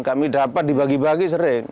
kami dapat dibagi bagi sering